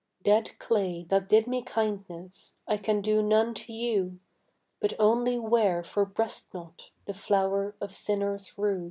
Dead clay that did me kindness, I can do none to you, But only wear for breastknot The flower of sinner's rue.